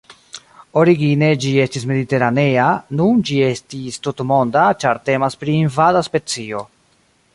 Origine ĝi estis mediteranea, nun ĝi estis tutmonda, ĉar temas pri invada specio.